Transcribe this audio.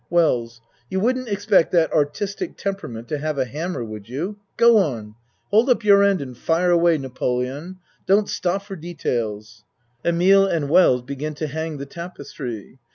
WELLS You wouldn't expect that artistic tem perament to have a hammer, would you? Go on. Hold up your end and fire away, Napoleon. Don't stop for details. (Emile and W ells begin to hang the tapestry.